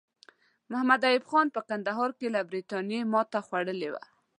محمد ایوب خان په کندهار کې له برټانیې ماته خوړلې وه.